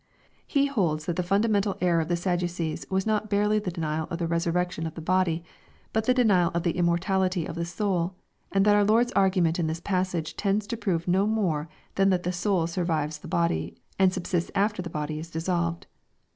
He holds that the fundamental error of the Sadducees was not barely the denial of the resurrection of the body, but the denial of the immortality of the soul, and that our Lord's argument in this passage tends to prove no more than that the soul survives tlie body, and subsists after the body is dissolved.